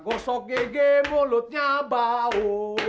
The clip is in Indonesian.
gosok gege mulutnya bau